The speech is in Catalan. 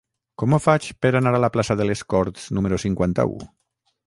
Com ho faig per anar a la plaça de les Corts número cinquanta-u?